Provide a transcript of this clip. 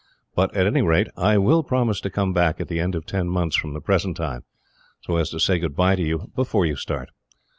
But at any rate, I will promise to come back, at the end of ten months from the present time, so as to say goodbye to you, before you start."